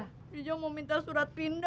video mau minta surat pindah